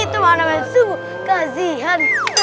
itu mana kan subuh kasihan